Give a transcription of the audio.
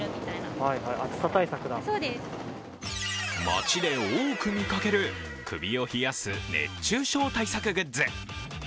街で多く見かける、首を冷やす熱中症対策グッズ。